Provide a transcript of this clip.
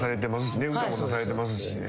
歌も出されてますしね。